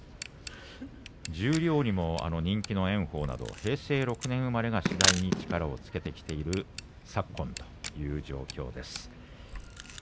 十両にも人気の炎鵬など平成６年生まれがしだいに力をつけてきている昨今です。